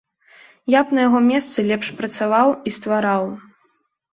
Я б на яго месцы лепш працаваў і ствараў.